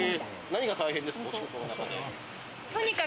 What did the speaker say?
何が大変ですか？